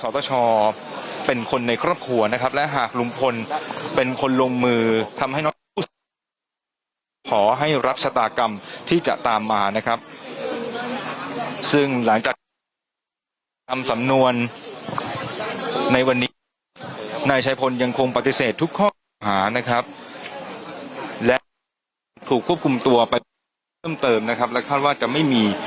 ตอนนี้ที่มุกอาหารคุณคลินพร้อมไหมฮะคลินจ๋า